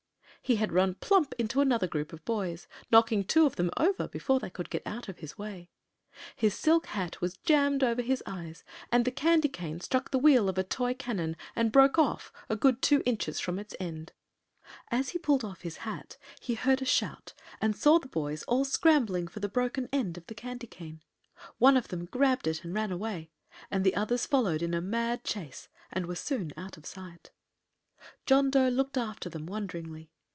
He had run plump into another group of boys, knocking two of them over before they could get out of his way. His silk hat was jammed over his eyes and the candy cane struck the wheel of a toy cannon and broke off a good two inches from its end. [Illustration: THE CRACKER SUDDENLY EXPLODED] As he pulled off his hat he heard a shout and saw the boys all scrambling for the broken end of the candy cane. One of them grabbed it and ran away, and the others followed in a mad chase and were soon out of sight. John Dough looked after them wonderingly.